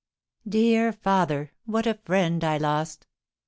Dear father! What a friend I lost!"